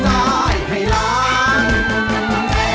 ได้ครับ